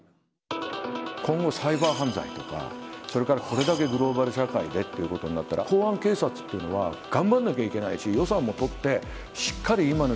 今後サイバー犯罪とかそれからこれだけグローバル社会でっていうことになったら公安警察っていうのは頑張んなきゃいけないし予算も取ってしっかり。